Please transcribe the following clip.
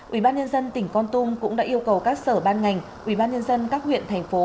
ủy ban nhân dân tỉnh con tum cũng đã yêu cầu các sở ban ngành ủy ban nhân dân các huyện thành phố